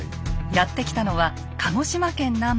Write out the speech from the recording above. やって来たのは鹿児島県南部の坊津。